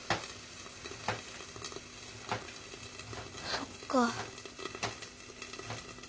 そっか。